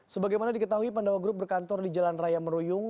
sebagaimana diketahui pandawa group berkantor di jalan raya meruyung